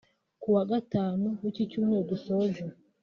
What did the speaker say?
Kuwa Gatanu w’iki cyumweru dusoje